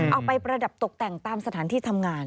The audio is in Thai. ประดับตกแต่งตามสถานที่ทำงาน